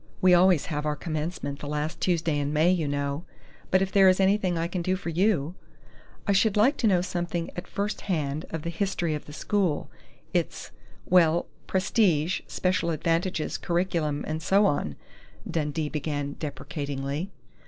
We always have our commencement the last Tuesday in May, you know.... But if there is anything I can do for you " "I should like to know something at first hand of the history of the school, its well, prestige, special advantages, curriculum, and so on," Dundee began deprecatingly.